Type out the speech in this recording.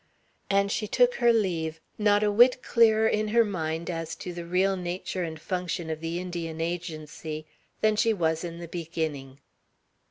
And she took her leave, not a whit clearer in her mind as to the real nature and function of the Indian Agency than she was in the beginning.